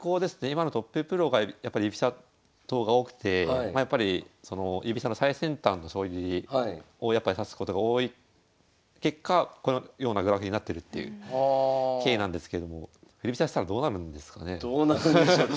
今のトッププロがやっぱり居飛車党が多くてやっぱりその居飛車の最先端の将棋を指すことが多い結果このようなグラフになってるっていう経緯なんですけどもどうなるんでしょう？